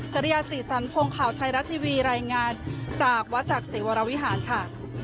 จริยาศรีสันพงศ์ข่าวไทยรัฐทีวีรายงานจากวัดจากศรีวรวิหารค่ะ